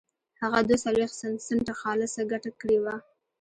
هغه دوه څلوېښت سنټه خالصه ګټه کړې وه